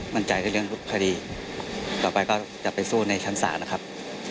มั่นใจในเรื่องคดีต่อไปก็จะไปสู้ในชั้นศาลนะครับ